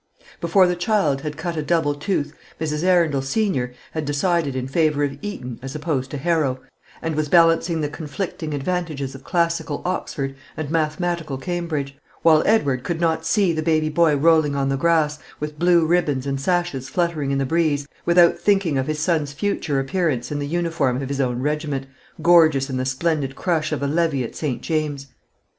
Before the child had cut a double tooth Mrs. Arundel senior had decided in favour of Eton as opposed to Harrow, and was balancing the conflicting advantages of classical Oxford and mathematical Cambridge; while Edward could not see the baby boy rolling on the grass, with blue ribbons and sashes fluttering in the breeze, without thinking of his son's future appearance in the uniform of his own regiment, gorgeous in the splendid crush of a levee at St. James's.